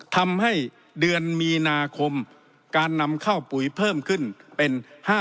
ทำให้เดือนมีนาคมการนำเข้าปุ๋ยเพิ่มขึ้นเป็น๕๐